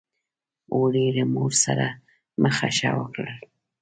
اوړي له موږ سره مخه ښه وکړل.